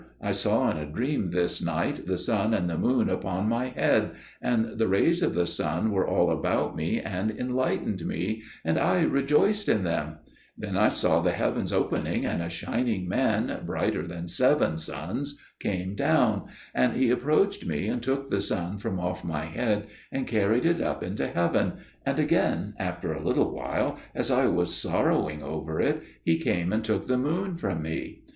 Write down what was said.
I saw in a dream this night the sun and the moon upon my head, and the rays of the sun were all about me and enlightened me, and I rejoiced in them; then I saw the heavens opening, and a shining man, brighter than seven suns, came down; and he approached me and took the sun from off my head and carried it up into heaven; and again after a little while, as I was sorrowing over it, he came and took the moon from me.